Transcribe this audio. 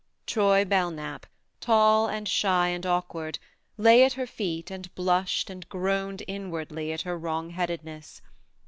Troy Belknap, tall and shy and awkward, lay at her feet and blushed and groaned inwardly at her wrong headedness.